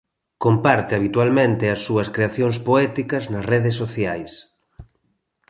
Comparte habitualmente as súas creacións poéticas nas redes sociais.